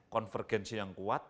konvergensi yang kuat